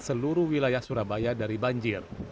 seluruh wilayah surabaya dari banjir